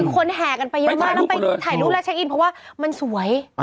คนแห่กันไปเยอะมากแล้วไปถ่ายรูปแล้วเช็คอินเพราะว่ามันสวย